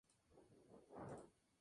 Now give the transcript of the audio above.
Además, renta estudios de televisión.